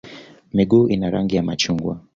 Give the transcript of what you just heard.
Miguu ina rangi ya machungwa.